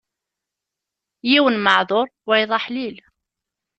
Yiwen maɛduṛ, wayeḍ aḥlil.